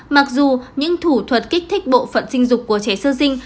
mặc dù những thủ thuật kích thích bộ phận sinh dục của trẻ sơ sinh